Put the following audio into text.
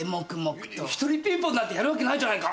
「一人ピンポン」なんてやるわけないじゃないか！